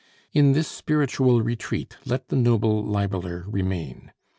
In this spiritual retreat let the noble libeler remain.